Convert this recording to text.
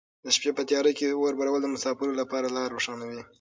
د شپې په تیاره کې د اور بلول د مساپرو لپاره لاره روښانوي.